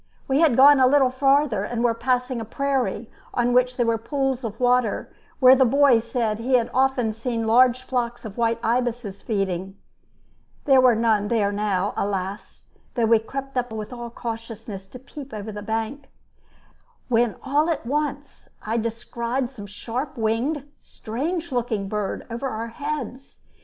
We had gone a little farther, and were passing a prairie, on which were pools of water where the boy said he had often seen large flocks of white ibises feeding (there were none there now, alas, though we crept up with all cautiousness to peep over the bank), when all at once I descried some sharp winged, strange looking bird over our heads.